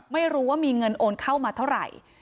ไม่รู้ว่ามีเงินโอนเข้ามาเท่าไหร่